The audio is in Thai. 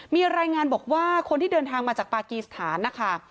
มีรายงานบอกว่าคนที่เดินทางมาจากปากีสถานนะคะ